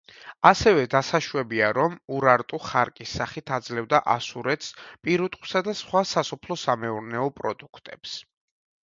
ასევე დასაშვებია, რომ ურარტუ ხარკის სახით აძლევდა ასურეთს პირუტყვსა და სხვა სასოფლო-სამეურნეო პროდუქტებს.